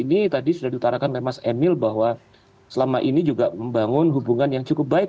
ini tadi sudah diutarakan oleh mas emil bahwa selama ini juga membangun hubungan yang cukup baik